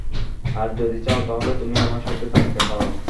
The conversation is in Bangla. আর যদি চাও তাহলে তুমি আমার সাথে থাকতেও পার।